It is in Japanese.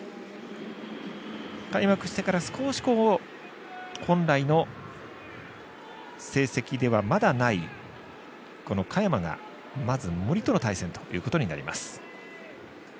開幕してから、少し本来の成績ではまだない嘉弥真がまず、森との対戦ということになります。